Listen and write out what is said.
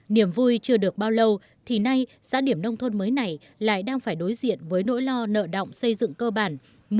niềm vui chưa được bao lâu thì nay xã điểm nông thôn mới này lại đang phải đối diện với nỗi lo nợ động xây dựng cơ bản